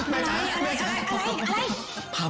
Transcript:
แม่จ๋าอะไรอะไร